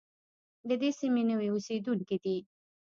د دې سیمې نوي اوسېدونکي دي.